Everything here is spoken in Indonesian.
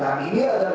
nah ini ada